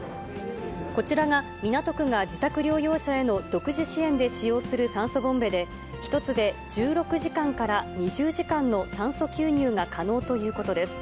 こちらが港区が自宅療養者への独自支援で使用する酸素ボンベで、１つで１６時間から２０時間の酸素吸入が可能ということです。